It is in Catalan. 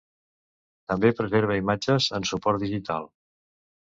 També preserva imatges en suport digital.